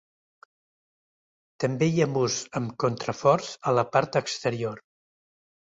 També hi ha murs amb contraforts a la part exterior.